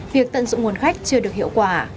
việc tận dụng nguồn khách chưa được hiệu quả